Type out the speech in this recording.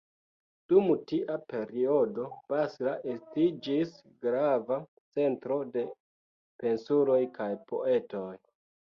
Dum tia periodo Basra estiĝis grava centro de pensuloj kaj poetoj.